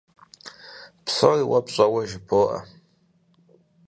Псори уэ пщӀэуэ жыбоӀэ.